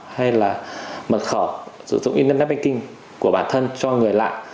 hay là mật khẩu sử dụng internet banking của bản thân cho người lạ